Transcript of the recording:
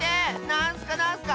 なんスかなんスか！